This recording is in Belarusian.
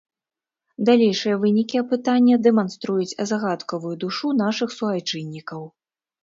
Далейшыя вынікі апытання дэманструюць загадкавую душу нашых суайчыннікаў.